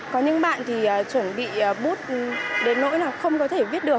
có những bạn thì chuẩn bị bút đến nỗi là không có thể viết được